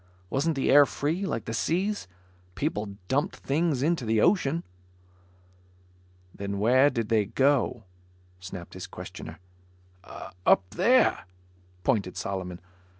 Wasn't the air free, like the seas? People dumped things into the ocean. "Then where did they go?" snapped his questioner. "Up there," pointed Solomon.